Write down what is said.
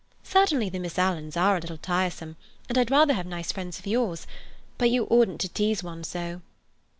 Certainly the Miss Alans are a little tiresome, and I'd rather have nice friends of yours. But you oughtn't to tease one so."